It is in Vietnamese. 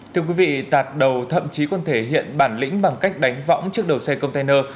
thưa quý vị tạt đầu thậm chí còn thể hiện bản lĩnh bằng cách đánh võng trước đầu xe container